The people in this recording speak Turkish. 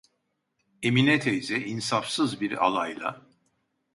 Emine teyze insafsız bir alayla: